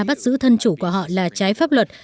bắt giữ thân chủ của họ là trái pháp luật